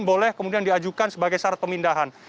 boleh kemudian diajukan sebagai syarat pemindahan